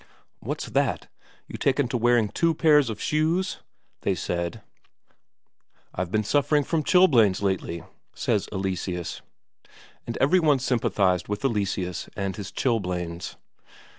"What's that you taken to wearing two pairs of shoes?" they said. "I've been suffering from chilblains lately," says Eleseus. And every one sympathized with Eleseus and his chilblains.